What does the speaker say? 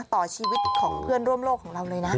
ต่อชีวิตของเพื่อนร่วมโลกของเราเลยนะ